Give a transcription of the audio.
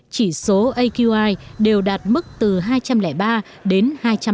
chỉ số aqi đều đạt mức từ hai trăm linh ba đến hai trăm tám mươi bảy